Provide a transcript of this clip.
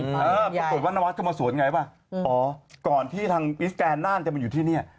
ปรากฏว่านวัดก็มาสวนไงป่ะอ๋อก่อนที่ทางอิสแกนน่าจะมาอยู่ที่เนี่ย